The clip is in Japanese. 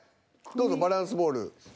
どうぞバランスボール。